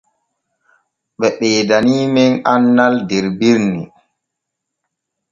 Ɓe ɓeedaniimen annal der binni.